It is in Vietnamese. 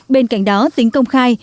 bên cạnh đó tính công khai